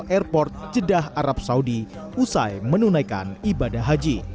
kedua dpr jadah arab saudi usai menunaikan ibadah haji